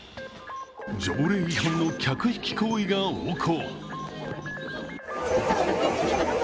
条例違反の客引き行為が横行。